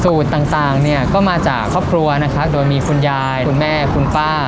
สูตรต่างมาจากครอบครัวโดยมีคุณยายคุณแม่คุณป้า